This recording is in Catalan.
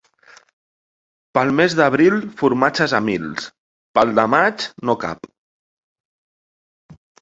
Pel mes d'abril formatges a mils; pel de maig, no cap.